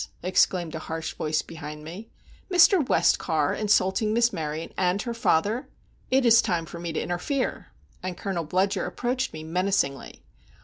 exclaimed a harsh voice behind me. "Mr. Westcar insulting Miss Maryon and her father! it is time for me to interfere." And Colonel Bludyer approached me menacingly.